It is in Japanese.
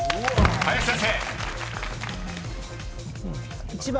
［林先生］